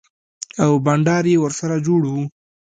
او بنډار يې ورسره جوړ و.